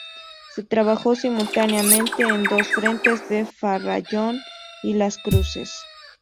Se trabajó simultáneamente en dos frentes de Farallón y Las Cruces.